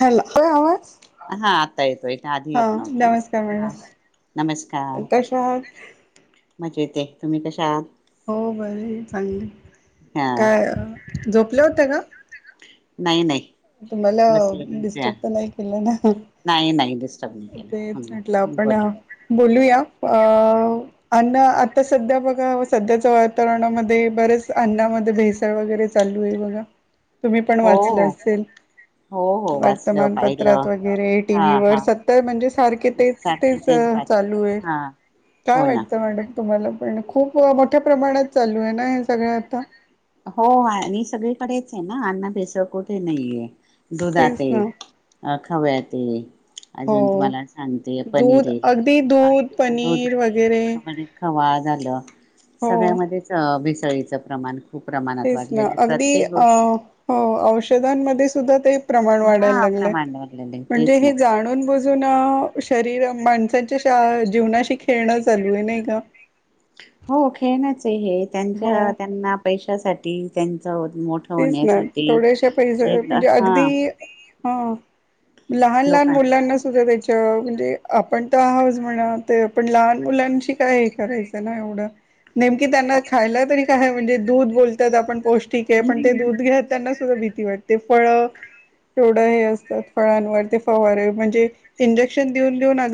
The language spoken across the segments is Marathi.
हॅलो, येतोय आवाज? हा, आता येतोय, आधी हा येत नव्हता, नमस्कार हा. मॅडम नमस्कार! कशा आहात? माजेते, तुम्ही कशा आहात? हो, बरय, चांगले, हा काय झोपले होते का? नाही नाही. तुम्हाला बसलेलीच आहे. डिस्टर्ब तर नाही केलं ना? नाही नाही डिस्टर्ब नाही तेच म्हटलं, केलं आपण बोला बोलूया, अ अन्न आता सध्या बघा, सध्याच्या वातावरणामध्ये, बरेच अन्नामध्ये भेसळ वगैरे चालू ये बघा, तुम्ही पण हो वाचलं हो असेल? हो हो वाचलं वर्तमानपत्रात पाहिलं वगैरे, टी हा व्ही वर, हा सतत, म्हणजे सारखे ते सारखे तेच बात चालू ये, हा काय हो ना वाटत मॅडम तुम्हाला पण, खूप मोठ्या प्रमाणात चालू आहे ना, हे सगळं आता. हो, आणि सगळीकडेच आहे ना, अन्न भेसळ कुठे नाहीये, दुधात तेच ना ये खाव्यात ये अजून हो तुम्हाला सांगते, पनीर दूध ये अगदी दूध पनीर वगैरे हवाळ झालं, हो सगळ्यामध्येच भिसळीचं प्रमाण खूप प्रमाणात तेच ना, वाढलेले अगदी प्रत्येक अ गोष्ट औषधांमध्ये सुद्धा ते प्रमाण वाढाय हा लागलय, प्रमाण वाढलेलं आहे तेच म्हणजे ना हे जाणून भू जून शरीर माणसाच्या जीवनाशी खेळणं चालू आहे, नाही का? हो, खेळणच आहे हे, त्यांच्या हो त्यांना पैशासाठी त्यांच मोठ तेच ना, थोडेसे पैसे म्हणजे, अगदी हा हा, लहान लहान लोकां मुलांना सुद्धा त्या म्हणजे आपण त आहोच म्हणा, ते आपण लहान मुलांशी काय हे करायचं ना, एवढं नेमकी त्यांना खायला तरी काय हाय, म्हणजे दूध बोलतात आपण पौष्टिक ये, पण ते दूध घेताना भीती वाटते, फळ तेवढं हे असतात, फळांवर ते फवारे, म्हणजे इंजेक्शन देऊन देऊन आ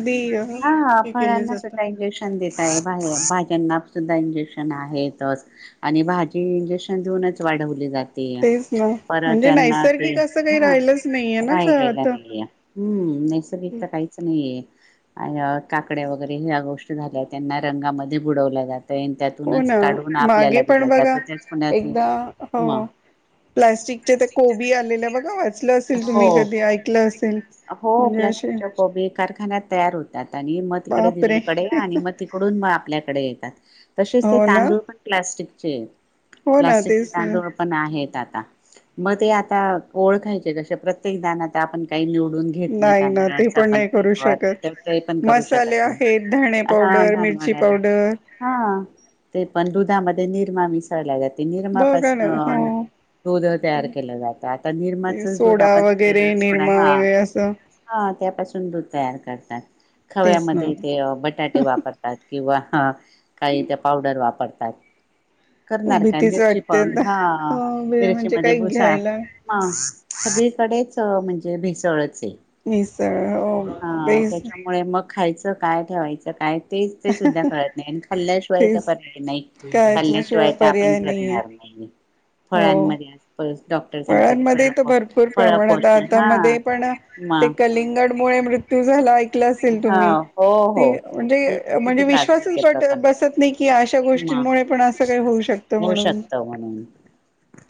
हा, फळांना सुद्धा इंजेक्शन देत आहे बाहेर, भाज्यांना सुद्धा इंजेक्शन आहेतच. आणि भाजी इंजेक्शन देऊनच वाढवली जात ते, तेच ना परत म्हणजे त्यांना ते नैसर्गिक असं काही हे, राहिलंच नाहीये [inaudible] ना राहिलेलं आता नाहीये. हम्म! नैसर्गिक तर काहीच नाहीये. काकड्या वगैरे ह्या गोष्टी झाल्या, त्यांना रंगामध्ये बुडवल्या जातंय. हो त्यातूनच ना काढून मागे आपल्याला दिल पण जात, बघा त्याच पुण्याच, एकदा हो हा. प्लास्टिकचे त्या कोबी आलेल्या बघा, वाचलं असेल हो तुम्ही कधी, ऐकलं असेल. हो, म्हणजे असे प्लास्टिकच्या कोबी कारखान्या तयार होतात, आणि मग तिकडे बापरे दिल्लीकडे, आणि मग त पकडून म आपल्याकडे येतात, तसेच ते हो ना तांदूळ पण प्लास्टिकचे हो ना प्लास्टिकचे तेच ना. तांदूळ पण आहेत आता, मग ते आता ओळखायचे कसे? प्रत्येक दाणा तर आपण नि नाही ना, ते पण नाही करू शकत, ते पण करू मसाले शकत नाही. आहेत, धणे हा पावडर, मिर ची धानवड्या पावडर हा ते पण दुधामध्ये निरमा मिसळल्या लागते बघा ना निरमापासन हो. दूध तयार केलं जातं आता ते निरमाचच दूध सोडा आपण वगैरे [inaudible] सोडा निरमा हा. वगैरे असं हा त्यापासून दूध तयार करतात तेच ना. खव्यामध्ये ते ब टाटे वापरतात किंवा हा काही ते पावडर वापरतात. करणार काय भीतीच मिरची वाटते पण ना हा हो बे- मिरची म्हणजे मध्ये काही भुसा घ्यायला हा सगळीकडेच म्हणजे भेसळच हे. मिसळ ओ बेस मग खायचं काय ठेवायचं काय ते ते सुद्धा कळत नाही आणि खाल्ल्याशिवाय तर तेच पर्याय नाही. काय असल्याशिवाय खाल्ल्याशिवाय तर आपण पर्याय नाहीये जगणार नाही हो. फळांमध्ये आज [inaudible] सांगतात फळांमध्ये फळ तर भरपूर फळ प्रमाणात पोषण आता हा मध्ये पण म ते कलिंगड मुळे मृत्यू झाला ऐकलं असेल हा तुम्ही हो ते हो म्हणजे ते तर किती म्हणजे गाजलं विश्वासच ते बट प्रकरण बसत नाही की अशा म गोष्टींमुळे पण असं काही होऊ शक होऊ शकतं म्हणून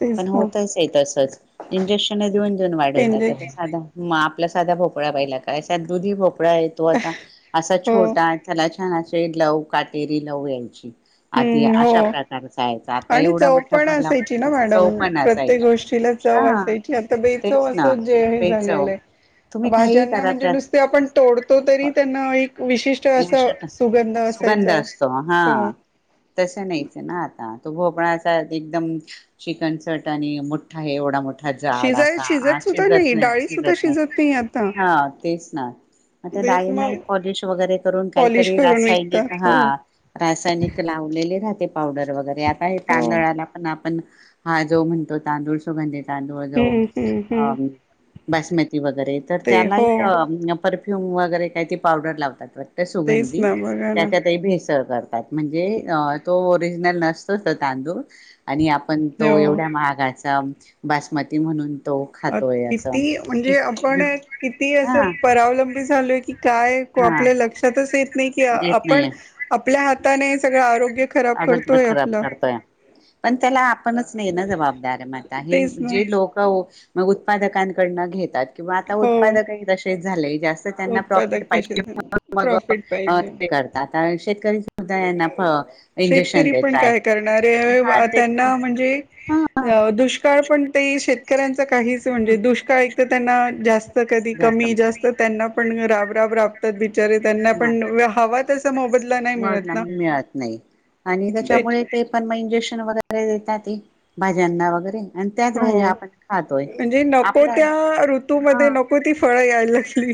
तेच पण ना होतच आहे तसच. इंजेक्शनं देऊन जोन वाढयतात आता इंजेक्शन सादा. म आपला सादा भोपळा पाहिला काय सा दुधीभोपळा हे तो आता असा हो छोटा त्याला छान असे लव काटेरी लव यायची. आतिय हम्म हो अशा प्रकार असायचं आता आणि एवढा चव मोठा पण फळला असायची ना चव मॅडम पण प्रत्येक असायची गोष्टीला चव हा असायची आता देही तेच चव ना असं [unintelligible] बेचव झालेलं. तुम्ही काही भाज्यांना करा म्हणजे त्यात नुसते आपण तोडतो तरी त्यांना एक विशिष्ट असं सुगंध सुगंध असायचा असतो हा. हो तसं नाहीच आहे ना आता तो भोपळाचा एकदम चिकन चट आणि मोठ्ठा हे एवढा मोठा झाड शिजाय असा आत सुद्धा शिजत नाही डाळी नाहीच. सुद्धा गत नाय शिजत नाही आता हा तेच ना. आता तेच डाळींना ही मग पॉलिश वगैरे करून पॉलिश काहीतरी करून रासायनिक विकतात हा हो रासायनिक लावलेले राहते पावडर वगैरे आता हे हो तांदळाला पण आपण हा जो म्हणतो तांदूळ सुगंधी तांदूळ जो हम्म हम्म अ हम्म बासमती वगैरे तर ते त्यालाही हो अ म परफ्युम वगैरे काही ते पावडर लावतात वाट ते तेच सुगंधी ना बघा ना त्याच्यातही भेसळ कर तात म्हणजे अ तो ओरिजनल नसतो तो तांदूळ आणि आपण तो हो एवढ्या माहागाचा बासमती म्हणून तो अ खातोय असं. किती म्हणजे आपण किती असं हा परावलंबी झालोय की काय को हा आपल्या लक्षातच येत नाही की आ आपण आपल्या हात अगच बर खराब आपलं करतोय. पण त्याला आपणच नाही ना जबाबदार म आता हे तेच ना जे लोकं ओ मग उत्पादकांकडनं घेतात किंवा आता हो उत्पादकही तसेच झालेय जास् त्यांना प्रॉफिट उत्पादक तसे पाहिजे प्रॉफिट [unintelligible] अ पाहिजे ते कर ताता शेतकरी सुद्धा आहे ना प शेतकरी पण काय करणारे अय हा वा ते त्यांना पण म्हणजे हा अ दुष्काळ पण ते ही शेतकऱ्यांचा काहीच म्हणजे दुष्काळ एक तर त्यांना जास् त कधी कमी जास्त त्यांना पण राबराब राबतात बिचारे त्यांना मग पण हवा तसा मोबदला नाही मिळत ना. मिळत नाही. आणि त्याच्यामुळे ते पण म इंजेक्शन वगैरे देतात ही भाज्यांना वगैरे आणि त्याच भाजी हो आपण खातोय म्हणजे आपल्या हा. कोणती फळं यायला लागली?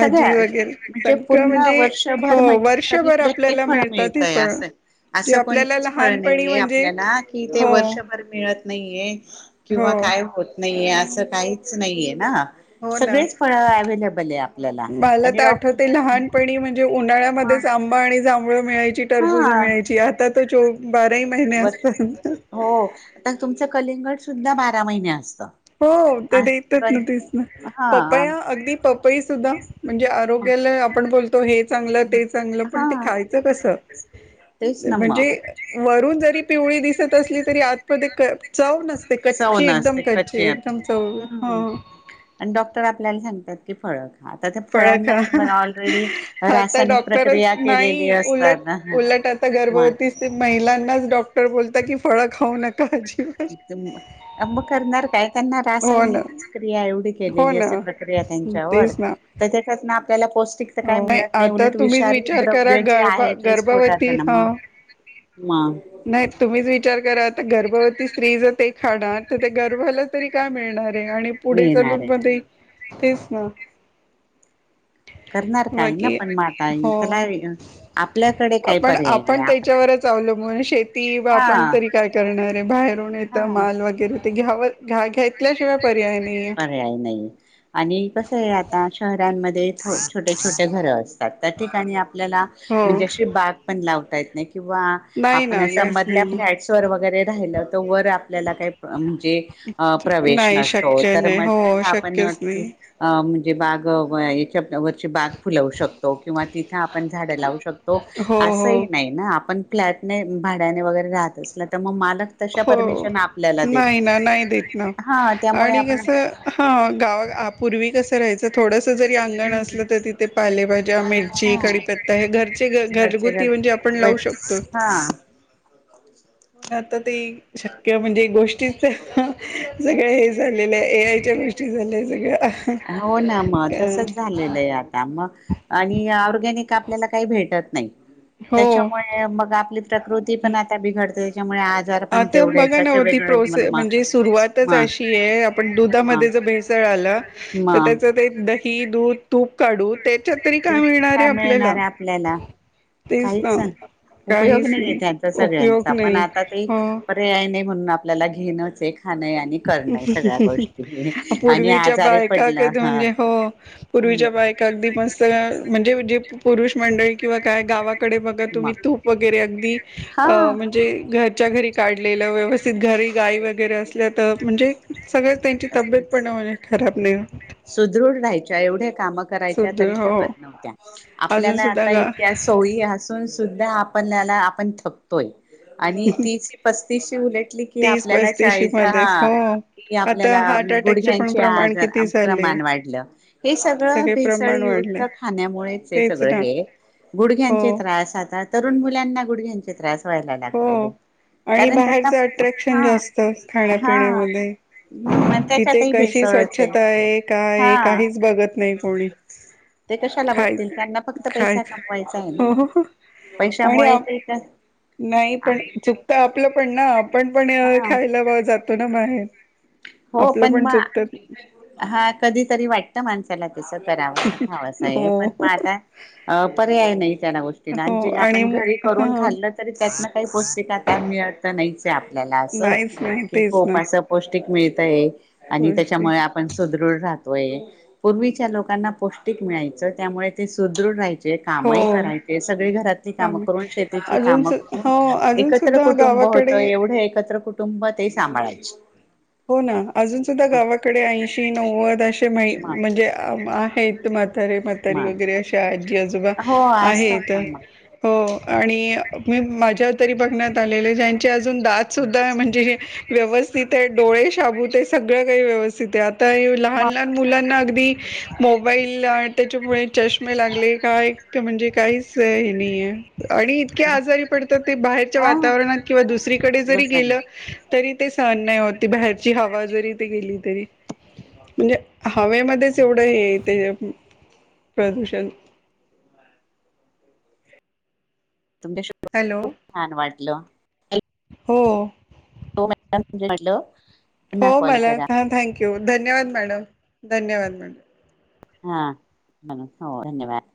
सगळ्या वगैरे म्हणजे सगळं पूर्ण म्हणजे वर्षभर हो म्हटलं तरी वर्षभर प्रत्येक आपल्याला फळात मिळतात मिळत ही फळ अस जे असं आपल्याला कोणतच फळ लहानपणी नाहीे म्हणजे आपल्याला कि ते हो वर्षभर मिळत नाहीये हो किंवा काय होत नाहीये असं काहीच नाहीये ना. हो ना. सगळेच फळ अवेलेबल आहे आपल्याला मला आणि तर आठवते डॉक्टर लहानपणी पण ते उन्हाळ्यामध्येच आंबा आणि जांभळ मिळायची टरबुज हा मिळायची आता त चो बाराही महिने वर असतात. हो. आता तुमचं कलिंगड सुद्धा बारा महिने असतं. हो. ते आ देतात कर न तेच ना हा पप्पाया अगदी पपई सुद्धा म्हणजे आरोग्याला आपण बोलतो हे चांगलं, ते चांगलं पण हा ते खायचं कस? तेच ना मग म्हणजे वरून जरी पिवळी दिसत असली तरी आत मध्ये ते चव नसते चव कच्ची एकदम नसते कच्ची एकदम चौ हो हम्म आणि डॉक्टर आपल्याला सांगतात फळ. आता त्या फळ खा फळांनाच ऑलरेडी आता रासायनिक डॉक्टरच प्रक्रिया केलेली नाही उलट असतात ना. हा उलट आता मग गर्भवती महिलांनाच डॉक्टर बोलतात की फळं खाऊ नका अजिबात. [unintelligible] काय त्यांना हो ना रासायनिक क्रिया एवढी हो केलेली असे ना प्रक्रिया त्यांच्यावर तेच ना त्यांना आपल्याला पौष्टिक काही मिळत नाही. आता उलट तुम्हीच विषारी विचार करा द्रव्य जे गर्भ आहे ते पोटात गर्भवती ह जाणार मग [unintelligible] नाही. तुम्हीच विचार करा आता गर्भवती स्त्री जर ते [unintelligible] आत ते गर्भाला तरी काय मिळणार आहे आणि पुढे मिळणार चालून आहे मग ते तेच ना. करणार काय ना बाकी पण मग आता. हो त्याला आपल्याकडे काही पर्याय नाही आपण [unintelligible] मुळे शेती आपण हा तरी काय करणारे बाहेरून येत हा माल वगैरे ते घ्याव घ्याेतल्याशिवाय पर्याय नाहीये. पर्याय नाही. आणि कसं आहे आता शहरांमध्ये छोटे छोटे घरं असतात. त्या ठिकाणी आपल्याला हो म्हणजे अशी बाग पण लावता येत नाही किंवा नाही ना आपण काहीच नाही नाही मधल्या [unintelligible] वगैरे राहिलं तर वर आपल्याला काही म्हणजे प्रवेश नाही नसतो. शक्य तर नाही मग हो तिथे आपण शक्यच नाही अ म्हणजे बाग याच्या वरची बाग फुलवू शकतो किंवा तिथे आपण झाड लावू शकतो. हो असंही हो नाही ना आपण फ्लॅटने भाड्याने वगैरे राहात असला तर मग मालक तशा हो. परमिशन आपल्याला देत नाही ना नाही देत ना हा त्यामुळे आणि आपण कस हा. गावा पूर्वी कसं राहायचं थोडंसं जरी अंगण असलं तर तिथे पालेभाज्या, मिरची, हा कढीपत्ता हे घरचे घरचे घ-घरगुत ती म्हणजे आपण घरचे लावू शकतो. बट हा पण आता ते शक्य म्हणजे गोष्टी सगळं हे झालेलं आहे. ए आयच्या गोष्टी झाल्या सगळ्या. हो ना मग तसच झालेलं आता. मग आणि ऑर्गॅनिक आपल्याला काही भेटत नाही. हो त्याच्यामुळे मग आपली प्रकृती पण आता बिघडते. त्याच्यामुळे आजार पण आता बघा तेवढेच ना असे ओ ती वेगळे प्रोसे म म्हणजे सुरुवातच म अशी आहे. आपण म दुधामध्ये जर भेस त आला मग त्याच ते दही दूध. तूप काढू त्याच्यात तरी काय ते मिळणार आहे आपल्याला. मिळणार आहे आपल्याला तेच ना काहीच उपयोग काहीच आहे नाही त्यांचा उपयोग सगळ्यांचा पण नाही आता ते हा. पर्याय नाही म्हणून आपल्याला घेणंच हाय. आणि पूर्वीच्या आजारी बायका पडलं कधी ह म्हणजे हो. पूर्वीच्या बाहेक. अगदी मत म्हणजे जे पुरुष मंडळी किंवा काय गावाकडे बघा तुम्ही मग तूप. वगैरे अगदी हा अ म्हणजे घरच्या घरी काढलेलं व्यवस्थित घरी गाई वगैरे अस. हे तर म्हणजे सगळ त्यांची तब्येत पण खराब नाही होत. सुदृढ राहायच्या एवढ्या काम करायच्या सुध तरी हो थकत नव्हत्या अजून आपल्याला सुद्धा आता गा इतक्यास. सोयी असून सुद्धा आपल्याला आपण थकतोय. आणि तीसी पस्तीसची उलटली कि तीस आपल्याला पस्तीशी चाळीस हा. मध्येच हो का आता आपल्याला हार्ट अटॅकचे पण गुडघ्यांचे प्रमाण आजार किती झाले प्रमाण वाढलं हे सगळं सगळे भेसळ प्रमाण युक्त. वाढले खन्यामुळे तेच सग ना हे गुडघ्यांचे हो त्रास आता तरुण मुलांना गुडघ्यांचे त्रास. वयला हो लागलेले. आणि कारण बाहेरचं त्यांना अट्रॅक्शन हा जास्त हा खाण्यापिण्यामध्ये. हम्म तिथे त्याच्यातही कशी भेसळच स्वच्छता आहे काय हा काहीच बघत नाही कोणी. ते कशाला खाय बघतील त्यांना फक्त पैसा खायच कपवायचा आहे ना हो हो आणि पैशामुळे आप ते तर. नाही पण चुकत आपलं पण ना आपण पण हा खायला जातो ना बाहेर. हो आपलं पण मग चुकतात. हा कधीतरी वाटतं माणसाला तस करावंसं खावसं आहे हो पण म आता. अ पर्याय नाही त्या गोष्टीला हो जे आणि आपण घरी. हा करून खाल्लं तरी त्यातन काही पौष्टिक आता मिळत नाहीच आप''--'' त्याला अस नाहीच ना की तेच खप ना पौष्टिक मिळतय आणि गोष्टी त्याच्यामुळे आप ''--'' पण सुदृढ राहतोय पूर्वीच्या लोकांना पौष्टिक मिळायचं त्यामुळे तेदृहाय जायचे. चे हो कामही करायचे सगळी घरातली कामं कामे करून शेतीची अजून कामं. सु हो अजून एकत्र सुद्धा कुटुंब होतं गावाकडे एवढे एकत्र कुटुंब तेही सांभाळायचे. हो ना अजून सुद्धा म गावाकडे ऐंशी नव्वद असे मै म्हणजे आहेत. ते म्हात रे म मातारी म वगैरे अशाहाजी अजोबा. हो असत मग. हो आणि मी माझ. तो तरी बघ आले ज्यांचे अजून दात सुद्धा म्हणजे व्यवथित हायत. डोळे शाबू आहेत सगळं काही व्यवस्थित आहे आता लहान मग लहान मुलांना अगदी. मोबाईल आन त्याच्यामुळे चष्मे लागले काय म्हणजे काहीच हे नाहीये. आणि इतक्या मग आजारी पडतात ते बाहेरच्या हा वातावरणात किंवा दुसरीकडे जरी दुसरं गेलं. तरी ते सहण नाही होती बाहेरची हवा जरी ते गेली तरी म्हणजे हः. हवेमध्येच एवढं हे ते प्रदूषण. तुमच्या शीव. हॅलो, छान वाटलं. हो, द म्हजेेल [inaudible] हो मला हां थँक्यू धन्यवाद मॅडम धन्यवाद मॅडम. हा नमन हो धन्यवाद.